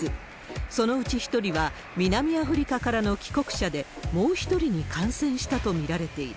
そのうち１人は南アフリカからの帰国者で、もう１人に感染したと見られている。